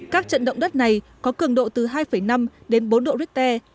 các trận động đất này có cường độ từ hai năm đến bốn độ richter